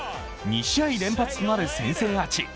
２試合連発となる先制アーチ。